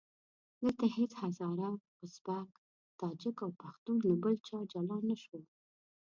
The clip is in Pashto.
دلته هېڅ هزاره، ازبک، تاجک او پښتون له بل چا جلا نه شو.